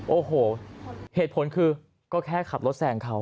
โอ้โหเหตุผลคือก็แค่ขับรถแซงเขา